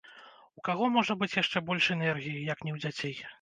У каго можа быць яшчэ больш энергіі, як ні ў дзяцей?